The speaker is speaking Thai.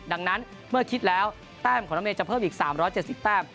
ดังนั้นเมื่อคิดแล้วแต้มของน้องเมยจะเพิ่มอีก๓๗๐แต้ม